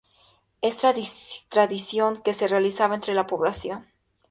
Es tradición que se realizaba entre la población, principalmente campesina.